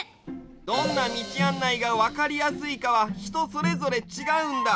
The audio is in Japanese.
どんなみちあんないがわかりやすいかはひとそれぞれちがうんだ。